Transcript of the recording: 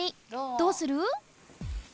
どうする？